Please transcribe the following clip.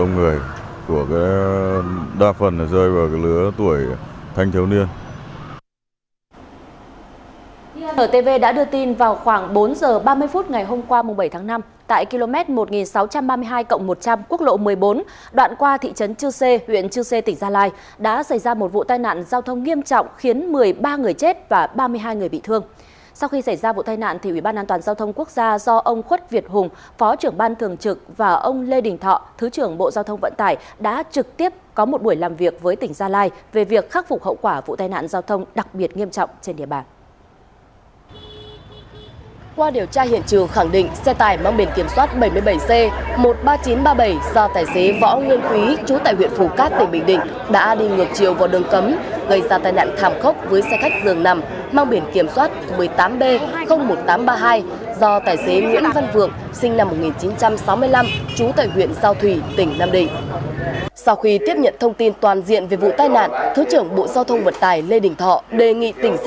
những biểu hiện tụ tập đông người của đa phần rơi vào lứa tuổi thanh thiếu niên